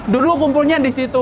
dulu mungkulnya di situ